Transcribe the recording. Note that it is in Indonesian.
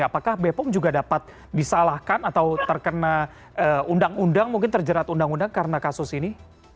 apakah bepom juga dapat disalahkan atau terkena undang undang mungkin terjerat undang undang karena kasus ini